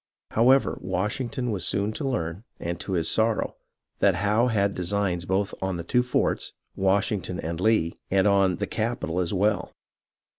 However, Washington was soon to learn, and to his sorrow, that Howe had designs both on the two forts, Washington and Lee, and on " the capital " as well.